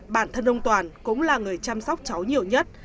bản thân ông toàn cũng là người chăm sóc cháu nhiều nhất